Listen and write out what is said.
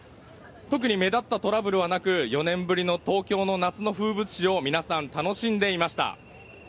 特に目立ったトラブルはなく４年ぶりの東京の夏の風物詩を皆さん、楽しんでいました。